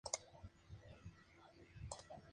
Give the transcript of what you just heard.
Su salón ostentaba lienzos murales de Fillol.